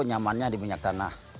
nyamannya di minyak tanah